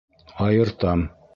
Айыртам.